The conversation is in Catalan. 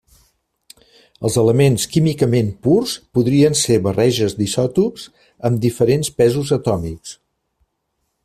Els elements químicament purs podrien ser barreges d'isòtops amb diferents pesos atòmics.